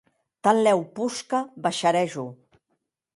Tanlèu posca baisharè jo.